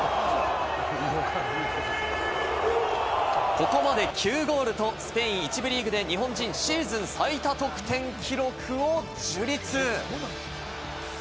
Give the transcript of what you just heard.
ここまで９ゴールとスペイン１部リーグで日本人シーズン最多得点記録を樹立。